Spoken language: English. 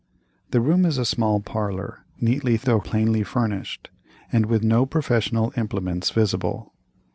The room is a small parlor, neatly though plainly furnished, and with no professional implements visible.